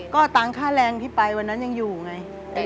ก็ตังค่าแรงที่ไปวันนั้นยังอยู่ไง